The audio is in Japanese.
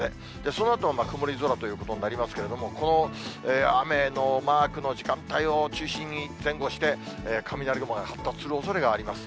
そのあと曇り空ということになりますけれども、この雨のマークの時間帯を中心に前後して、雷雲が発達するおそれがあります。